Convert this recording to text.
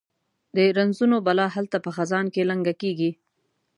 د رنځونو بلا هلته په خزان کې لنګه کیږي